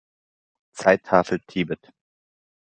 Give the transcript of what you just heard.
Zeittafel Tibet